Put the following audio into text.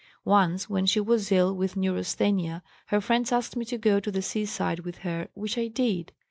Once when she was ill with neurasthenia her friends asked me to go to the seaside with her, which I did.